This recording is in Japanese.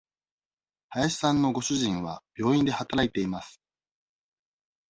林さんのご主人は病院で働いています。